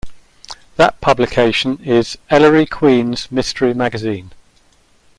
That publication is "Ellery Queen's Mystery Magazine".